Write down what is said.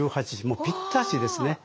もうぴったしですね。